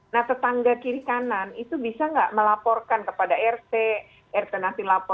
nah tetangga kiri kanan itu bisa nggak melaporkan kepada rc rtnasi laporkan